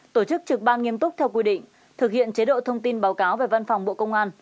tổ chức trực ban nghiêm túc theo quy định thực hiện chế độ thông tin báo cáo về văn phòng bộ công an